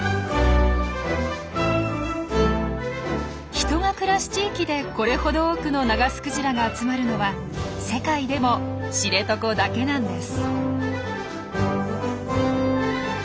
人が暮らす地域でこれほど多くのナガスクジラが集まるのは世界でも知床だけなんです。